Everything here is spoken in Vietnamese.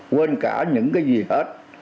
quên cả những cái gì hết